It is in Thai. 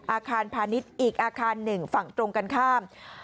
อาคารพาณิชย์อีกอาคารหนึ่งฝั่งตรงกันข้าม